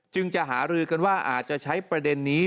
จะหารือกันว่าอาจจะใช้ประเด็นนี้